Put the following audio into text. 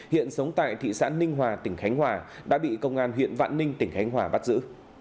hiện sống tại thị xã ninh hòa tỉnh khánh hòa đã bị công an huyện vạn ninh tỉnh khánh hòa bắt giữ